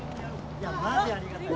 いやマジありがたい。